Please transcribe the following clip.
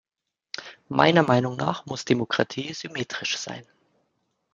Meiner Meinung nach muss Demokratie symmetrisch sein.